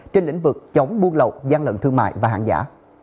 trên lĩnh vực chống buôn lậu gian lận thương mại và hàng giả